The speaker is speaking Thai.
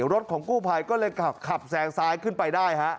รถของกู้ภัยก็เลยขับแซงซ้ายขึ้นไปได้ฮะ